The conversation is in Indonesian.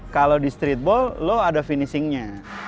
kalau di streetball lo ada finishingnya